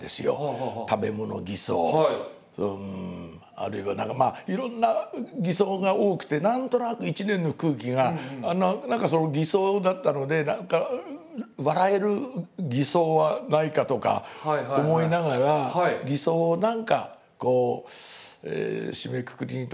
あるいは何かまあいろんな偽装が多くて何となく１年の空気が何かその偽装だったので何か笑える偽装はないかとか思いながら偽装を何か締めくくりにと思ってそのときに思いついて。